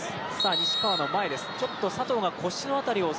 西川の前です。